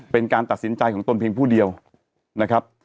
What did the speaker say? เป็นการตัดสินใจของตนเพียงผู้เดียวนะครับ